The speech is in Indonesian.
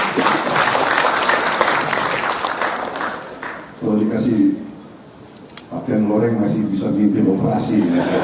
kalau dikasih apian goreng masih bisa mimpi operasi